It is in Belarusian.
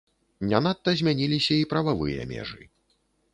Не надта змяніліся і прававыя межы.